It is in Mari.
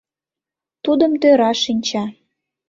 Тудым тӧра шинча...